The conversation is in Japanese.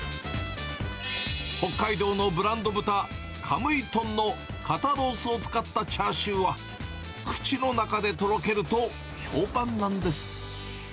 北海道のブランド豚、神威豚の肩ロースを使ったチャーシューは、口の中でとろけると評判なんです。